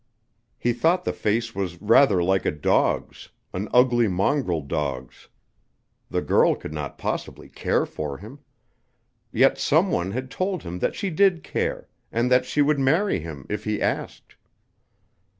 He thought the face was rather like a dog's, an ugly mongrel dog's. The girl could not possibly care for him! Yet some one had told him that she did care, and that she would marry him if he asked.